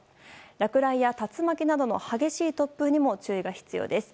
落雷や竜巻などの激しい突風にも注意が必要です。